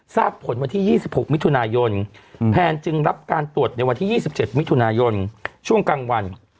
ทราบผลวันที่๒๖มิถุนายนแพนจึงรับการตรวจในวันที่๒๗มิถุนายนช่วงกลางวัน